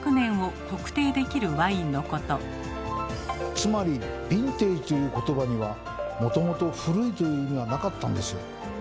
つまり「ヴィンテージ」という言葉にはもともと「古い」という意味はなかったんですよ。